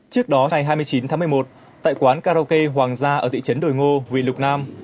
trước đó ngày hai mươi chín tháng một mươi một tại quán karaoke hoàng gia ở thị trấn đồi ngô huyện lục nam